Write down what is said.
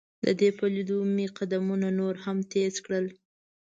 د دې په لیدو مې قدمونه نور هم تیز کړل.